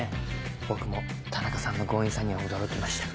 僕も田中さんの強引さには驚きました。